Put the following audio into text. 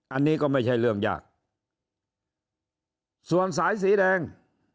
อันนี้ก็ไม่ใช่เรื่องยากส่วนสายสีแดง